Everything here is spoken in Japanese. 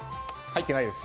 入ってないです。